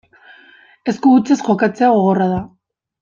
Esku hutsez jokatzea gogorra da.